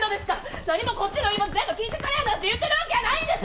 なにもこっちの言い分全部聞いてくれなんて言ってるわけやないんです！